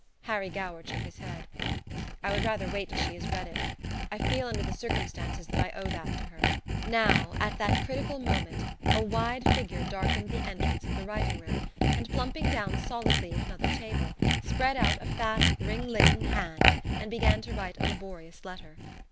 Harry Goward shook his head. "I would rather wait till she has read it. I feel, under the circumstances, that I owe that to her." Now, at that critical moment, a wide figure darkened the entrance of the writing room, and, plumping down solidly at another table, spread out a fat, ring laden hand and began to write a laborious letter.